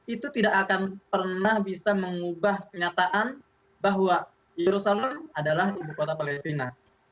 itu tidak akan pernah bisa mengubah kenyataan bahwa yerusalem adalah ibu kota palestina